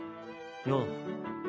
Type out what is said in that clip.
よう。